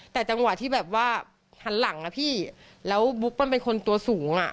แต่จังหวะที่แบบว่าหันหลังนะพี่แล้วบุ๊กมันเป็นคนตัวสูงอ่ะ